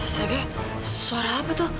sege suara apa itu